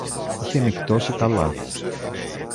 Είχε νυχτώσει καλά.